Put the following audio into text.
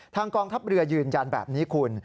กองทัพเรือยืนยันแบบนี้คุณ